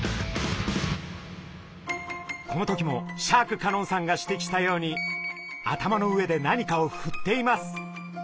この時もシャーク香音さんが指摘したように頭の上で何かをふっています。